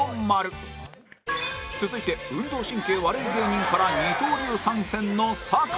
続いて運動神経悪い芸人から二刀流参戦の酒井